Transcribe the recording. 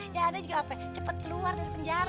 ya ada juga apa ya cepet keluar dari penjara